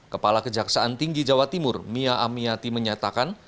kepala kejaksaan tinggi jawa timur mia amiati menyatakan